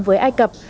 với ai cập